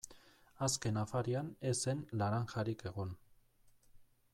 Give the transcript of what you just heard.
Azken afarian ez zen laranjarik egon.